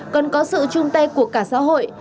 cần có sự chung tay của cả xã hội